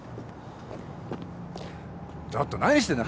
ちょっと何してんの？